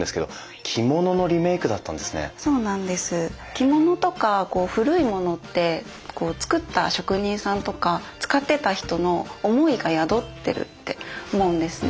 着物とか古いものって作った職人さんとか使ってた人の思いが宿ってるって思うんですね。